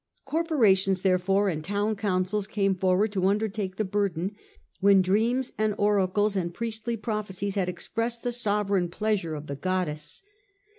Corporations, there fore, and town councils came forward to undertake the burden, when dreams and oracles and priestly prophecies had expressed the sovereign pleasure of the goddess.